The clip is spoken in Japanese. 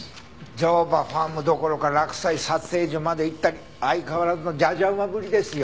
乗馬ファームどころか洛西撮影所まで行ったり相変わらずのじゃじゃ馬ぶりですよ。